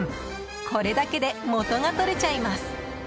これだけで元が取れちゃいます。